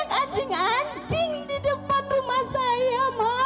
untuk terkunci dan banyak anjing ancing di depan rumah saya mak